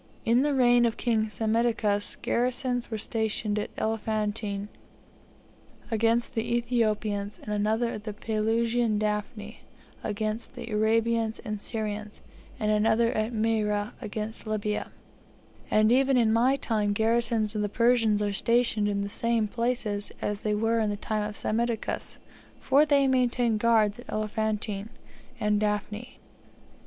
In the reign of King Psammitichus garrisons were stationed at Elephantine against the Ethiopians, and another at the Pelusian Daphnae against the Arabians and Syrians, and another at Marea against Libya; and even in my time garrisons of the Persians are stationed in the same places as they were in the time of Psammitichus, for they maintain guards at Elephantine and Daphnae.